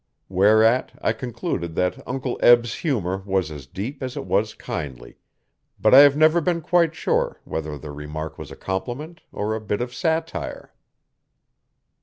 Whereat I concluded that Uncle Eb's humour was as deep as it was kindly, but I have never been quite sure whether the remark was a compliment or a bit of satire.